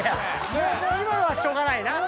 今のはしょうがないな。